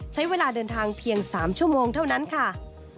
ใช้เวลาเดินทางเพียง๓ชั่วโมงเท่านั้นค่ะ